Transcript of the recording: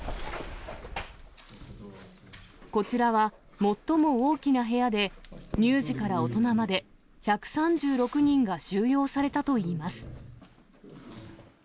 こちらは、最も大きな部屋で、乳児から大人まで、１３６人が収容されたといいます。